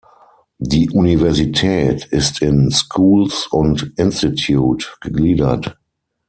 Die Universität ist in Schools und Institute gegliedert.